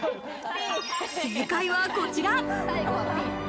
正解はこちら。